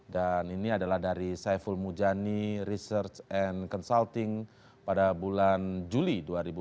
dan ini adalah dari saiful mujani research and consulting pada bulan juli dua ribu enam belas